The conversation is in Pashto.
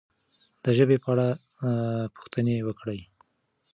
د ژبې په اړه پوښتنې وکړئ.